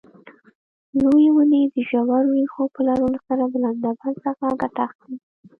لویې ونې د ژورو ریښو په لرلو سره د لمدبل څخه ګټه اخلي.